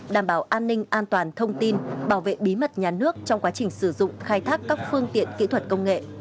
đảm bảo an ninh an toàn thông tin bảo vệ bí mật nhà nước trong quá trình sử dụng khai thác các phương tiện kỹ thuật công nghệ